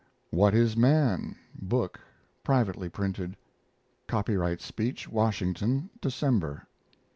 WHAT IS MAN? book (privately printed). Copyright speech (Washington), December.